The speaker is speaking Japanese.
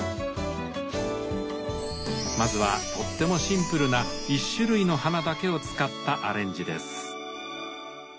まずはとってもシンプルな一種類の花だけを使ったアレンジです。